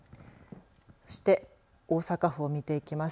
そして大阪府を見ていきます。